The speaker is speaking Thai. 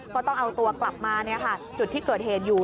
ก็ต้องเอาตัวกลับมาจุดที่เกิดเหตุอยู่